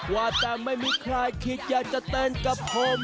ว่าแต่ไม่มีใครคิดอยากจะเต้นกับผม